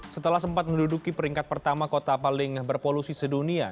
setelah sempat menduduki peringkat pertama kota paling berpolusi sedunia